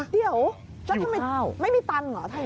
เดี๋ยว